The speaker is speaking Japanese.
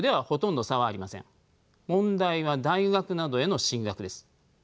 問題は大学などへの進学です。